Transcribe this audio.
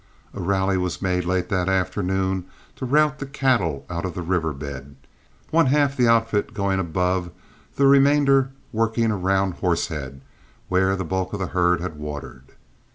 A rally was made late that afternoon to rout the cattle out of the river bed, one half the outfit going above, the remainder working around Horsehead, where the bulk of the herd had watered.